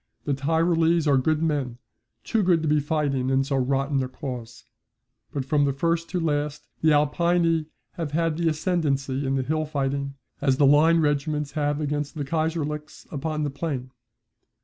The Tyrolese are good men too good to be fighting in so rotten a cause. But from first to last the Alpini have had the ascendency in the hill fighting, as the line regiments have against the Kaiserlics upon the plain.